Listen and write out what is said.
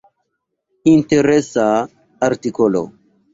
Interesa artikolo.